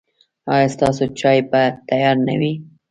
ایا ستاسو چای به تیار نه وي؟